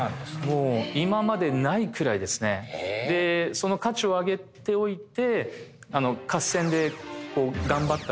その価値を上げておいて。